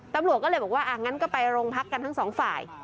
ตำรวจก็เลยบอกว่างั้นก็ไปโรงพักกันทั้งสองฝ่าย